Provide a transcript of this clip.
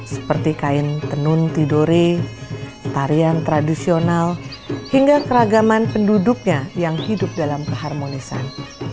seperti kain tenun tidore tarian tradisional hingga keragaman penduduknya yang hidup dalam keharmonisan